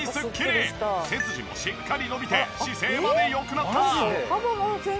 背筋もしっかり伸びて姿勢まで良くなった！